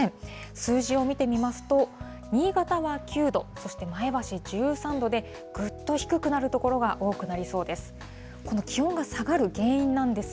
数字を見てみますと、新潟は９度、そして、前橋１３度で、ぐっと低くなる所が多くなりそうです。